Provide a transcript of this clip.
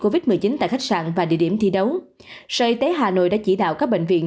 covid một mươi chín tại khách sạn và địa điểm thi đấu sở y tế hà nội đã chỉ đạo các bệnh viện